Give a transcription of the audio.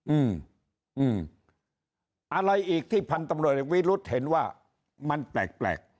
อืมอืมอะไรอีกที่พันธุ์ตำรวจเอกวิรุธเห็นว่ามันแปลกแปลก